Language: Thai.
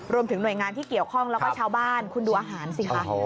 รวมถึงหน่วยงานที่เกี่ยวข้องแล้วก็ชาวบ้านคุณดูอาหารสิคะ